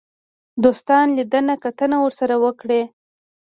دوستانه لیدنه کتنه ورسره وکړي.